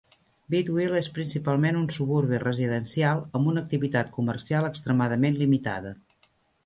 Bidwill és principalment un suburbi residencial amb una activitat comercial extremadament limitada.